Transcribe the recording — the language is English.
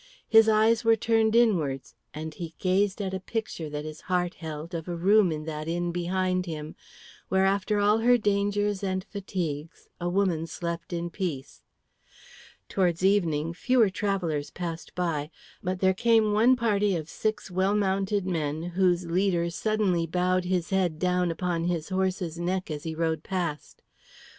His eyes were turned inwards, and he gazed at a picture that his heart held of a room in that inn behind him, where after all her dangers and fatigues a woman slept in peace. Towards evening fewer travellers passed by, but there came one party of six well mounted men whose leader suddenly bowed his head down upon his horse's neck as he rode past.